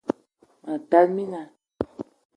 Ma tala mina